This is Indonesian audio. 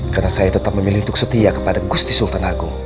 karena saya tetap memilih untuk setia kepada gusti sultan agung